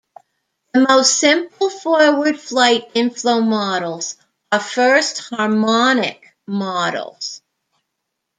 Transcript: The most simple forward flight inflow models are first harmonic models.